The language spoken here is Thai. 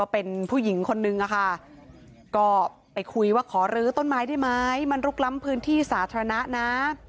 เป็นผู้หญิงคนหนึ่งไปคุยว่าเพราะขอรึต้นไม้จะได้ไหมมันรกลั้มพื้นที่สาธารณะนะ